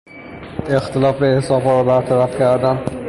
اختلاف حسابها را برطرف کردن